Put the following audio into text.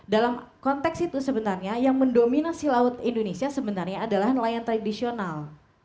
dalam konteks itu sebenarnya yang mendominasi laut indonesia sebenarnya adalah nelayan tradisional